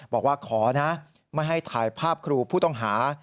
บอกว่าขอนะไม่ให้ถ่ายภาพครูผู้ต้องหา